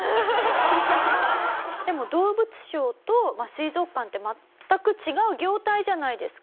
でも動物商と水族館って全く違う業態じゃないですか。